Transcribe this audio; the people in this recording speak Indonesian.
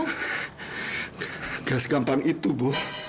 tidak segampang itu bu